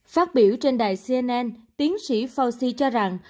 phát biểu trên đài cnn tiến sĩ fauci cho rằng